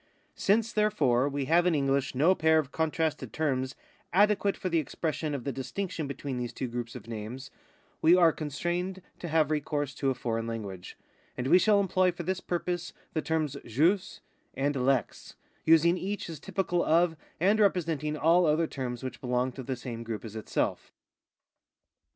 Since, therefore, we have in English no pair of contrasted terms adequate for the expression of the distinction between these two groups of names, we are constrained to have recourse to a foreign language, and we shall employ for this purpose the terms jus and lex, using each as typical of and representing all other terms which belong to the same group as itself.